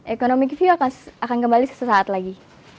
economic view akan kembali sesaat lagi